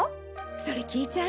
それ聞いちゃう？